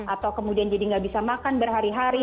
atau kemudian jadi nggak bisa makan berhari hari